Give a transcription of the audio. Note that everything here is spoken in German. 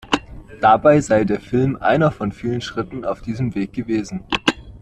Dabei sei der Film einer von vielen Schritten auf diesem Weg gewesen.